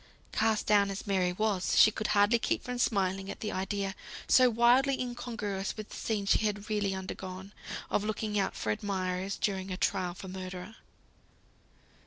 Cast down as Mary was, she could hardly keep from smiling at the idea, so wildly incongruous with the scene she had really undergone, of looking out for admirers during a trial for murder.